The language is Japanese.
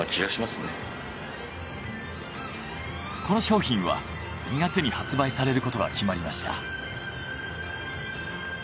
この商品は２月に発売されることが決まりました。